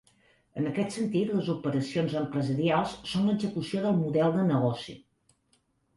En aquest sentit, les operacions empresarials són l'execució del model de negoci.